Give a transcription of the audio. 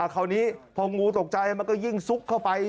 คราวนี้พองูตกใจมันก็ยิ่งซุกเข้าไป